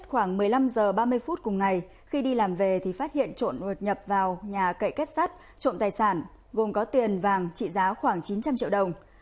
năm h ba mươi phút cùng ngày khi đi làm về thì phát hiện trộn ruột nhập vào nhà cậy kết sắt trộn tài sản gồm có tiền vàng trị giá khoảng chín trăm linh triệu đồng